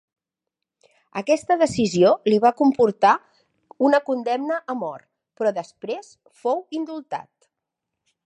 Aquesta decisió li va comportar una condemna a mort, però després fou indultat.